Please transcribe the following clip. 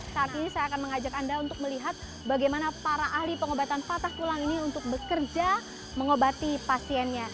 saat ini saya akan mengajak anda untuk melihat bagaimana para ahli pengobatan patah tulang ini untuk bekerja mengobati pasiennya